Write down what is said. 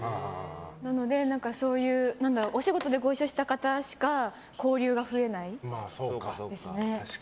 なのでお仕事でご一緒した方しか交流が増えないですね。